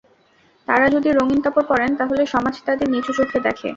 তাঁরা যদি রঙিন কাপড় পরেন তাহলে সমাজ তাঁদের নিচু চোখে দেখে।